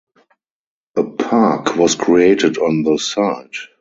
A park was created on the site.